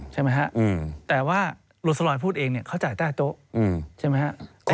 ใช่ไหมครับแต่ว่าหลุดสลอยพูดเองเขาจ่ายได้โต๊ะใช่ไหมครับ